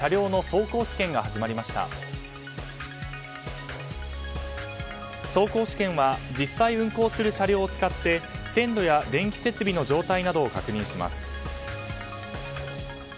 走行試験は実際運行する車両を使って線路や電気設備の状態などを確認します。